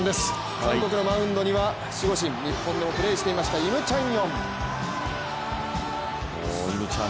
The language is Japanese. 韓国のマウンドには守護神、日本でもプレーしていましたイム・チャンヨン。